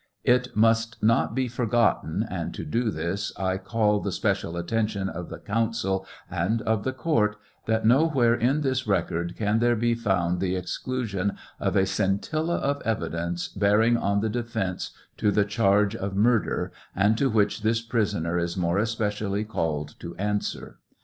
It must not be forgotten, and to do this I call the special attention of the counsel and of the court, tliat nowhere in this record can there be found the exclusion of a scintilla of evidence bearing on the defence to the charge of mur der, and to which this prisoner is more especially called to answer.